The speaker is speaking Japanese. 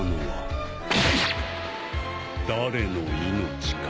誰の命か。